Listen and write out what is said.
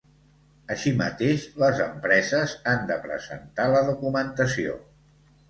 Així mateix, les empreses han de presentar la documentació.